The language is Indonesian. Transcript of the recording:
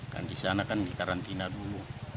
kan di sana kan di karantina dulu